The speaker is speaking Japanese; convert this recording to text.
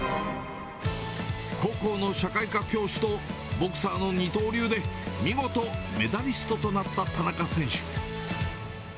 高校の社会科教師とボクサーの二刀流で、見事メダリストとなった田中選手。